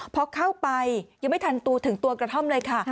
พอเข้าไปยังไม่ทันตัวถึงตัวกระท่อมเลยค่ะ